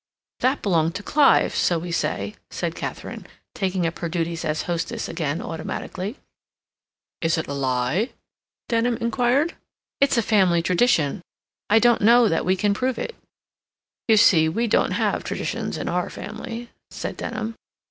"That belonged to Clive, so we say," said Katharine, taking up her duties as hostess again automatically. "Is it a lie?" Denham inquired. "It's a family tradition. I don't know that we can prove it." "You see, we don't have traditions in our family," said Denham.